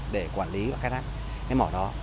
để quản lý và khai thác cái mỏ đó